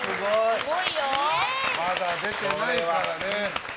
まだ出てないからね。